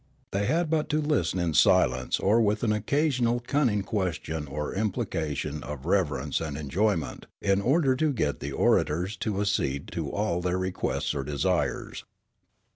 They had but to listen in silence or with an occasional cunning question or implication of reverence and enjoyment in order to get the orators to accede to all their requests or desires.